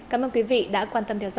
cảm ơn quý vị đã quan tâm theo dõi